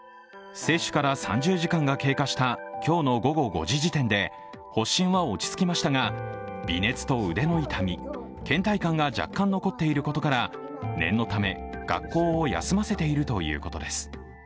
接種から３０時間が経過した今日の午後５時時点で発疹は落ち着きましたが、微熱等での痛みけん怠感が若干残っていることから念のため、学校を休ませているということです。